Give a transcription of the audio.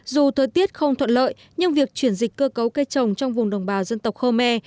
dù thời tiết không thuận lợi nhưng việc chuyển dịch cơ cấu cây trồng trong vùng đồng bào dân tộc khơ me